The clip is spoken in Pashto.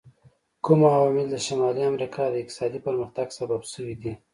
کوم عوامل د شمالي امریکا د اقتصادي پرمختګ سبب شوي دي؟